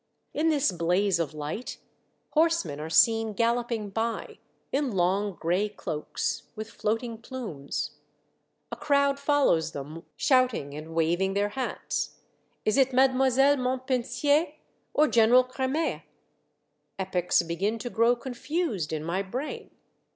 In this blaze of light, horsemen are seen galloping by, in long gray cloaks, with floating plumes. A crowd follows them, shouting and waving their hats. Is it Mademoiselle Montpensier or General Cremer? Epochs begin to grow confused in my brain.